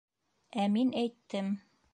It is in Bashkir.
— Ә мин әйттем.